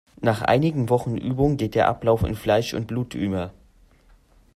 Nach einigen Wochen Übung geht der Ablauf in Fleisch und Blut über.